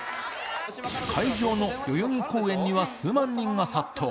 会場の代々木公園には、数万人が殺到。